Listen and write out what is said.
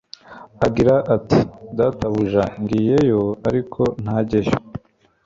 agira ati : "Databuja ngiye yo"; ariko ntajyeyo,